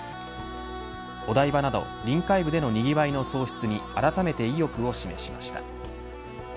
お台場など臨海部でのにぎわいの創出にあらためて意欲を示しました。